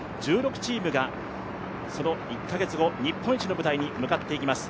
１６チームがその１か月後日本一の舞台に向かっていきます